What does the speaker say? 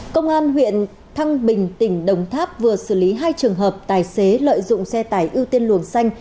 công an huyện thăng bình tỉnh đồng tháp vừa xử lý hai trường hợp tài xế lợi dụng xe tải ưu tiên luồng xanh